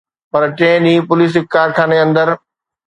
پر ٽئين ڏينهن پوليس هڪ ڪارخاني اندر